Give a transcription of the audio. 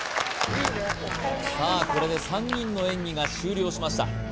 さあこれで３人の演技が終了しました